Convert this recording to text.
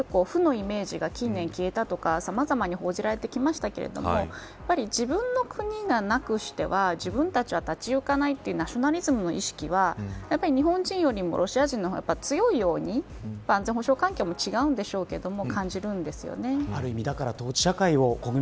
スターリンに対する負のイメージが消えてきたとかさまざまに報じられてきましたが自分の国がなくしては自分たちは立ちゆかないというナショナリズムの意識は日本人よりもロシア人の方が強いように安全保障環境も違うんでしょうけど感じるんです。